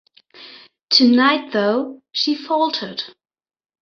“To-night, though?” she faltered.